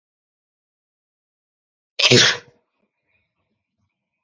By saying this Vaikundar proceeded towards Detchanam.